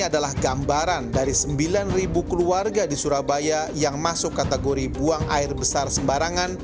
adalah gambaran dari sembilan keluarga di surabaya yang masuk kategori buang air besar sembarangan